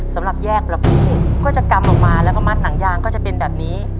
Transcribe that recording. สำหรับแยกประเภทก็จะกำออกมาแล้วก็มัดหนังยางก็จะเป็นแบบนี้